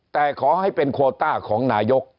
แต่ขอให้เป็นโคต้าของนายก